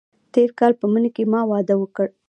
تېر کال په مني کې ما واده وکړ.